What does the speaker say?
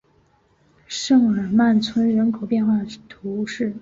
圣日耳曼村人口变化图示